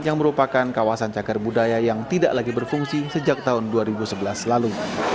yang merupakan kawasan cagar budaya yang tidak lagi berfungsi sejak tahun dua ribu sebelas lalu